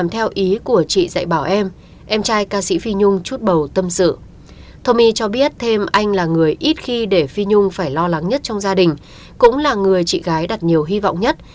thông my cho biết thêm anh là người ít khi để phi nhung phải lo lắng nhất trong gia đình cũng là người chị gái đặt nhiều hy vọng nhất